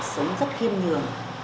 sống rất ghiêm nhường